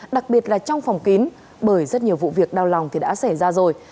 đặc biệt là trong phòng kín bởi rất nhiều vụ việc đau lòng thì đã xảy ra rồi